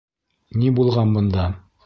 Ни булған бында?